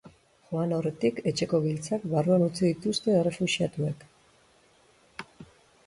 Joan aurretik, etxeko giltzak barruan utzi dituzte errefuxiatuek.